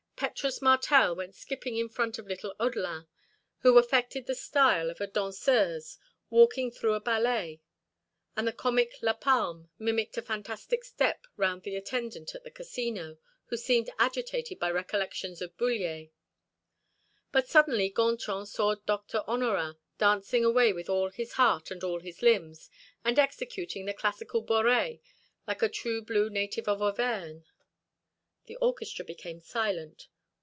Petrus Martel went skipping in front of little Odelin, who affected the style of a danseuse walking through a ballet, and the comic Lapalme mimicked a fantastic step round the attendant at the Casino, who seemed agitated by recollections of Bullier. But suddenly Gontran saw Doctor Honorat dancing away with all his heart and all his limbs, and executing the classical boree like a true blue native of Auvergne. The orchestra became silent.